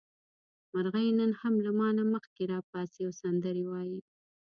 مرغۍ نن هم له ما نه مخکې راپاڅي او سندرې وايي.